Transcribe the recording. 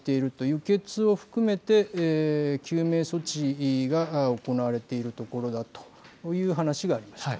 輸血を含めて救命措置が行われているところだという話がありました。